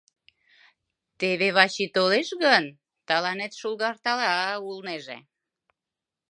Теве Вачи толеш гын, тыланет шургалтара улнеже...